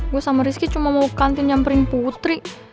gue sama rizky cuma mau kantin nyamperin putri